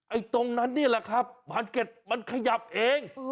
ตรงนั้นนี่แหละครับบานเก็ตมันขยับเอง